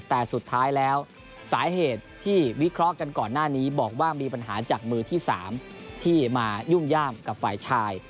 แต่สุดท้ายแล้วสาเหตุที่วิเคราะห์กันก่อนหน้านี้บอกว่ามีปัญหาจากมือที่๓ที่มายุ่งย่ามกับฝ่ายชาย